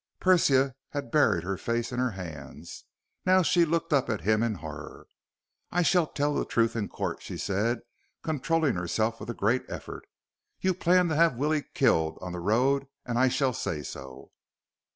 Persia had buried her face in her hands. Now she looked up at him in horror. "I shall tell the truth in court," she said, controlling herself with a great effort. "You planned to have Willie killed on the road, and I shall say so."